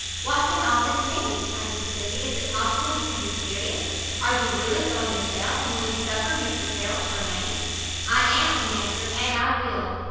"What can all this mean?" exclaimed Cecilia, "is it possible you can be serious? Are you really going yourself, and will you suffer Mrs Harrel to remain?" "I am," he answered, "and I will."